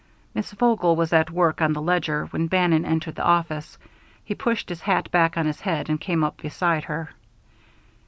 Miss Vogel was at work on the ledger when Bannon entered the office. He pushed his hat back on his head and came up beside her.